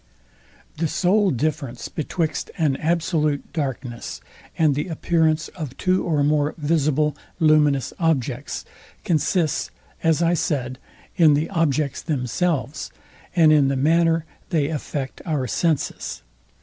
The sole difference betwixt an absolute darkness and the appearance of two or more visible luminous objects consists, as I said, in the objects themselves, and in the manner they affect our senses.